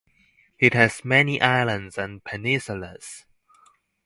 It has many islands and peninsulas.